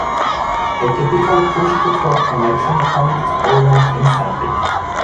A typical push-to-talk connection connects almost instantly.